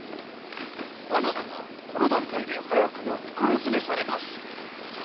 バナナはこの段階で早くも袋詰めされます。